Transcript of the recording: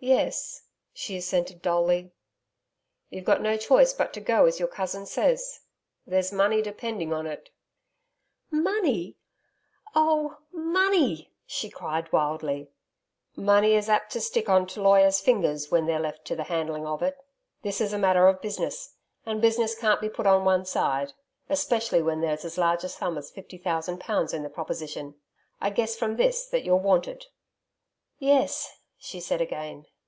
'Yes,' she assented dully. 'You've got no choice but to go as your cousin says. There's money depending on it.' 'Money! ... Oh, money!' she cried wildly. 'Money is apt to stick on to lawyers' fingers when they're left to the handling of it .... This is a matter of business, and business can't be put on one side especially, when there's as large a sum as fifty thousand pounds in the proposition. I guess from this that you're wanted.' 'Yes,' she said again.